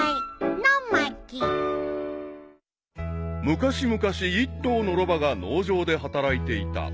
［昔々一頭のロバが農場で働いていた］